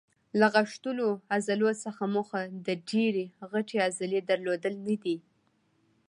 له غښتلو عضلو څخه موخه د ډېرې غټې عضلې درلودل نه دي.